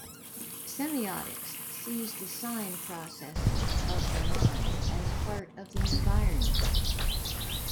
Semiotics sees the sign processes of the mind as part of the environment.